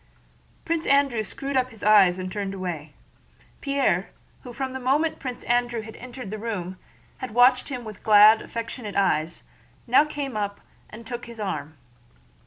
Prince Andrew screwed up his eyes and turned away. Pierre, who from the moment Prince Andrew entered the room had watched him with glad, affectionate eyes, now came up and took his arm.